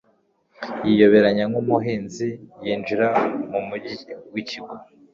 yiyoberanya nk'umuhinzi, yinjira mu mujyi w'ikigo